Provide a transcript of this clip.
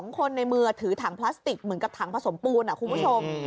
คนในมือถือถังพลาสติกเหมือนกับถังผสมปูนคุณผู้ชม